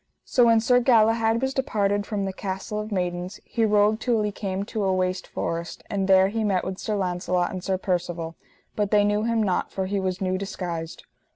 So when Sir Galahad was departed from the Castle of Maidens he rode till he came to a waste forest, and there he met with Sir Launcelot and Sir Percivale, but they knew him not, for he was new disguised.